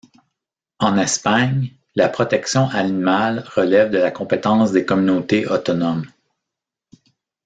En Espagne, la protection animale relève de la compétence des communautés autonomes.